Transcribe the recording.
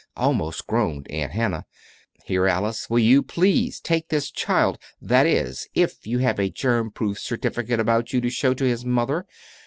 almost groaned Aunt Hannah. "Here, Alice, will you please take this child that is, if you have a germ proof certificate about you to show to his mother.